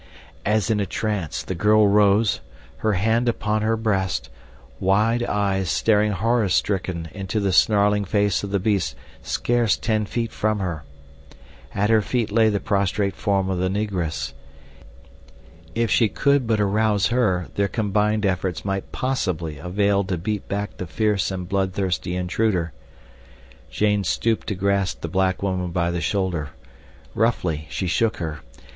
As in a trance, the girl rose, her hand upon her breast, wide eyes staring horror stricken into the snarling face of the beast scarce ten feet from her. At her feet lay the prostrate form of the Negress. If she could but arouse her, their combined efforts might possibly avail to beat back the fierce and bloodthirsty intruder. Jane stooped to grasp the black woman by the shoulder. Roughly she shook her.